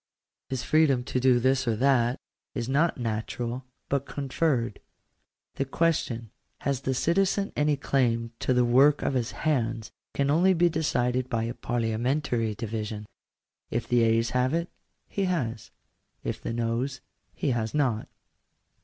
His freedom to do this or that is not natural, but conferred. The question — Has the citizen any claim to the work of his hands ? can only be decided by a parliamentary division. If u the ayes have it," he has ; if " the noes," he has not.